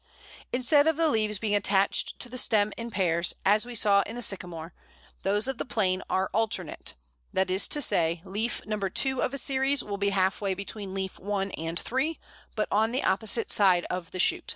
Instead of the leaves being attached to the stem in pairs, as we saw in the Sycamore, those of the Plane are alternate that is to say, leaf number two of a series will be halfway between one and three, but on the opposite side of the shoot.